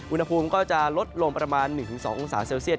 อุณหภูมิก็จะลดลงประมาณ๑๒องศาเซลเซียต